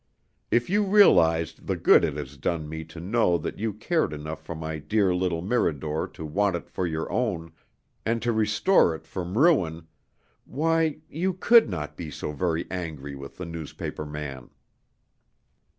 If you realized the good it has done me to know that you cared enough for my dear little Mirador to want it for your own, and to restore it from ruin, why, you could not be so very angry with the newspaper man!